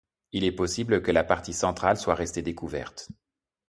Il est possible que la partie centrale soit restée découverte.